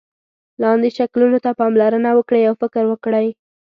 لاندې شکلونو ته پاملرنه وکړئ او فکر وکړئ.